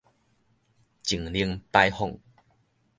淨零排放